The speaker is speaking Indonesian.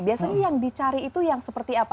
biasanya yang dicari itu yang seperti apa